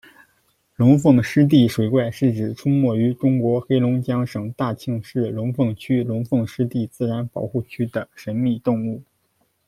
龙凤湿地水怪是指出没于中国黑龙江省大庆市龙凤区龙凤湿地自然保护区的神秘动物。